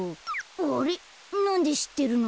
あれっなんでしってるの？